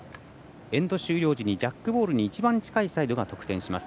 エンド終了時にジャックボールに一番近いサイドが得点します。